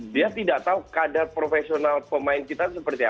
dia tidak tahu kadar profesional pemain kita itu seperti apa